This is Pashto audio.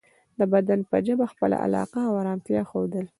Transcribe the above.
د بدن په ژبه خپله علاقه او ارامتیا ښودل